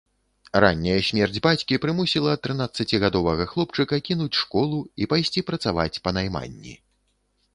Ранняя смерць бацькі прымусіла трынаццацігадовага хлопчыка кінуць школу і пайсці працаваць па найманні.